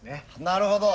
なるほど。